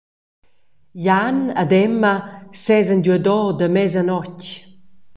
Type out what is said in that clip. Jan ed Emma sesan giuadora da mesanotg.